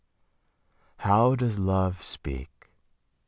How does Love speak?